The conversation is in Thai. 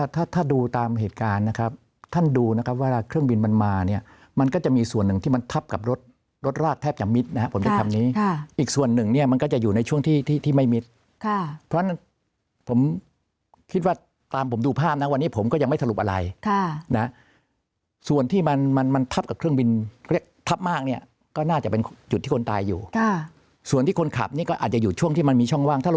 ถ้าดูตามเหตุการณ์นะครับท่านดูนะครับว่าเครื่องบินมันมาเนี่ยมันก็จะมีส่วนหนึ่งที่มันทับกับรถรถราดแทบจะมิดนะครับผมจะทำนี้อีกส่วนหนึ่งเนี่ยมันก็จะอยู่ในช่วงที่ไม่มิดเพราะฉะนั้นผมคิดว่าตามผมดูภาพนะวันนี้ผมก็ยังไม่สรุปอะไรนะส่วนที่มันทับกับเครื่องบินทับมากเนี่ยก็น่าจะเป็นจุดที่คน